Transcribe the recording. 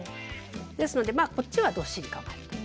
ですのでこっちはどっしり構えると。